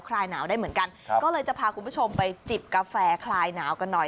คลายหนาวได้เหมือนกันก็เลยจะพาคุณผู้ชมไปจิบกาแฟคลายหนาวกันหน่อย